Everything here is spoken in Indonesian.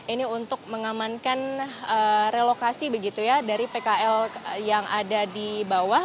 ini untuk mengamankan relokasi begitu ya dari pkl yang ada di bawah